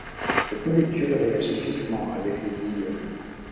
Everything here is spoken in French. Cette molécule réagit vivement avec le diiode.